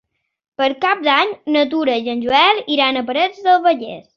Per Cap d'Any na Tura i en Joel iran a Parets del Vallès.